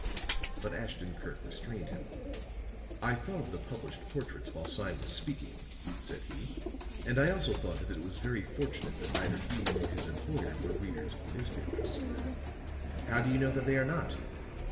But Ashton Kirk restrained him. "I thought of the published portraits while Sime was speaking," said he. "And I also thought that it was very fortunate that neither he nor his employer were readers of the newspapers." "How do you know that they are not?"